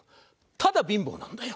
ただ貧乏なんだよ。